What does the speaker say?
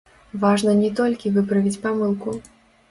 Важна не толькі выправіць памылку.